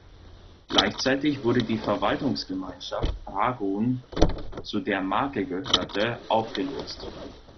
Gleichzeitig wurde die Verwaltungsgemeinschaft Raguhn, zu der Marke gehörte, aufgelöst.